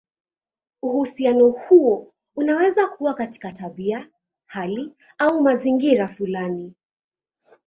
Uhusiano huo unaweza kuwa katika tabia, hali, au mazingira fulani.